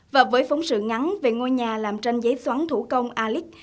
và với phóng sự ngắn về ngôi nhà làm tranh giấy xoắn thủ công alix